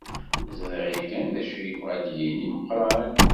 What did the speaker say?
Ẓriɣ yakan d acu yebɣa ad yi-d-yini Meqqran.